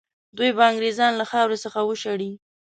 دوی به انګرېزان له خاورې څخه وشړي.